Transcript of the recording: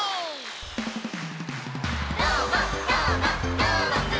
「どーもどーもどーもくん！」